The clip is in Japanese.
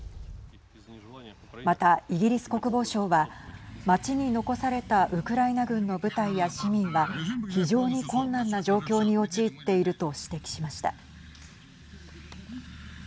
また、イギリス国防省は街に残されたウクライナ軍の部隊や市民は非常に困難な状況に陥っていると指摘しました。